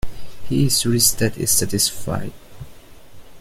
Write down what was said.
He is rich that is satisfied.